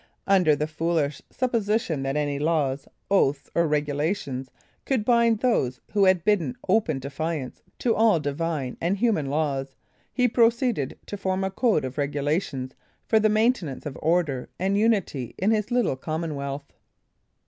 Under the foolish supposition that any laws, oaths or regulations, could bind those who had bidden open defiance to all divine and human laws, he proceeded to form a code of regulations for the maintenance of order and unity in his little commonwealth.